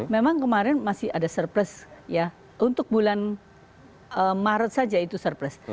memang kemarin masih ada surplus ya untuk bulan maret saja itu surplus